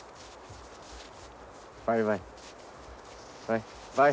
バイバイ。